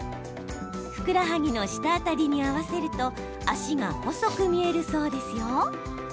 ふくらはぎの下辺りに合わせると脚が細く見えるそうですよ。